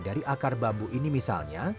dari akar bambu ini misalnya